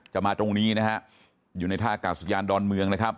มาตรงนี้นะฮะอยู่ในท่ากาศยานดอนเมืองนะครับ